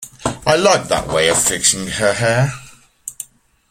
I like that way of fixing her hair.